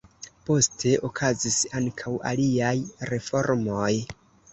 Poste okazis ankaŭ aliaj reformoj.